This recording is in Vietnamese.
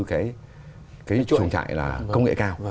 cái chuồng trại là công nghệ cao